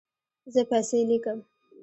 زه پیسې لیکم